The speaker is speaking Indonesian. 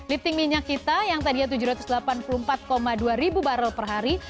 lifting minyak kita yang tadinya rp tujuh ratus delapan puluh empat dua per hari